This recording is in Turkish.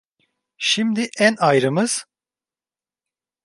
Şimdi en ayrımız!